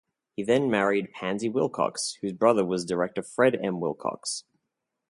He then married Pansy Wilcox, whose brother was director Fred M. Wilcox.